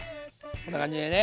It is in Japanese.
こんな感じでね。